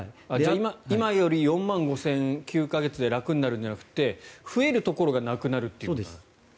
今より４万５０００円９か月で楽になるんじゃなくて増えるところがなくなるっていう。